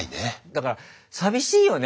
だから寂しいよね